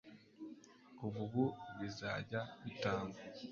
kuva ubu bizajya bitangwa